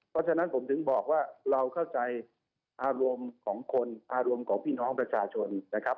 เพราะฉะนั้นผมถึงบอกว่าเราเข้าใจอารมณ์ของคนอารมณ์ของพี่น้องประชาชนนะครับ